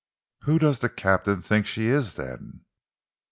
"Who does the captain think she is, then?"